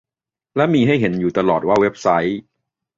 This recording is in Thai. และมีให้เห็นอยู่ตลอดว่าเว็บไซต์